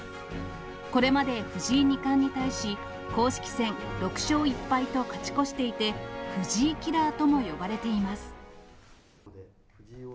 これまで藤井二冠に対し、公式戦６勝１敗と勝ち越していて、藤井キラーとも呼ばれています。